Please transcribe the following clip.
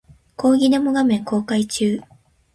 講義デモ画面公開中